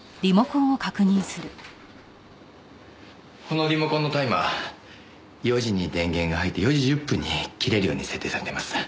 このリモコンのタイマー４時に電源が入って４時１０分に切れるように設定されています。